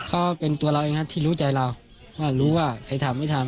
เขาเป็นตัวเราเองนะที่รู้ใจเราว่ารู้ว่าใครทำไม่ทำ